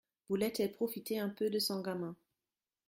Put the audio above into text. Voulait-elle profiter un peu de son gamin